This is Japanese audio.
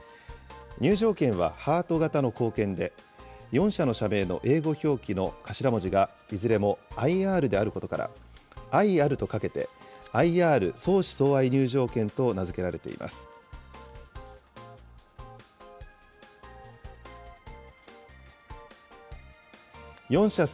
入場券はハート型の硬券で、４社の社名の英語表記の頭文字がいずれもＩＲであることから、愛あるとかけて、ＩＲ相思相愛入場券と名付けられています。